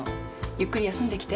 ゆっくり休んできて。